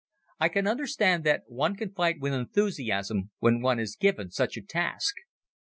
I can understand that one can fight with enthusiasm when one is given such a task.